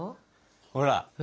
ほら！